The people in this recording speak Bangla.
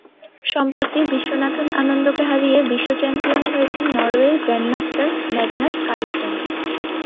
সম্প্রতি বিশ্বনাথন আনন্দকে হারিয়ে বিশ্ব চ্যাম্পিয়ন হয়েছেন নরওয়ের গ্র্যান্ডমাস্টার ম্যাগনাস কার্লসেন।